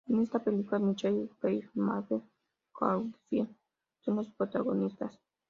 En esta película Michelle Pfeiffer y Maxwell Caulfield son los protagonistas.